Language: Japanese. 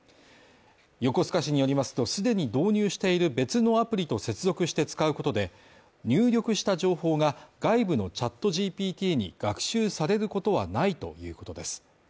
横須賀市によりますと既に導入している別のアプリと接続して使うことで、入力した情報が外部のＣｈａｔＧＰＴに学習されることはないということです。